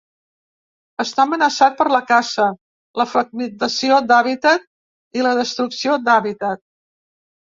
Està amenaçat per la caça, la fragmentació d'hàbitat i la destrucció d'hàbitat.